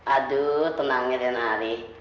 aduh tenangnya riana ari